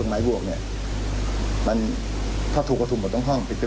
แล้วก็อยากให้เรื่องนี้จบไปเพราะว่ามันกระทบกระเทือนทั้งจิตใจของคุณครู